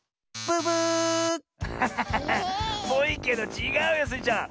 ぽいけどちがうよスイちゃん。